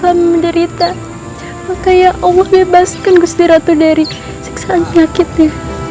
lama menderita makanya allah bebas kan gusti ratu dari siksa nyakitnya